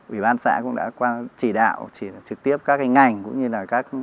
ủy ban xã cũng đã chỉ đạo trực tiếp các ngành cũng như là các